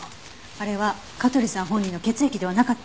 あれは香取さん本人の血液ではなかった。